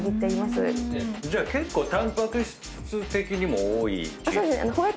じゃあ結構タンパク質的にも多い。